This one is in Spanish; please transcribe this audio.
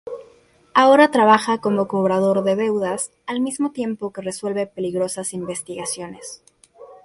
Ahora trabaja como cobrador de deudas, al mismo tiempo que resuelve peligrosas investigaciones.